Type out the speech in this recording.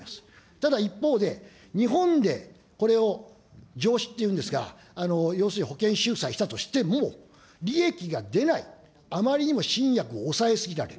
ただ一方で、日本でこれを上梓というんですが、要するに保険しゅうさいをしたとしても利益が出ない、あまりにも新薬を抑え過ぎた。